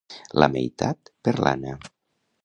La meitat per l'Anna